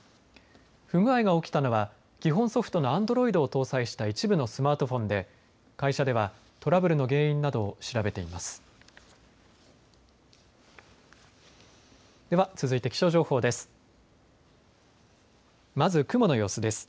不具合が起きたのは基本ソフトのアンドロイドを搭載した一部のスマートフォンで会社ではトラブルの原因などを調べています。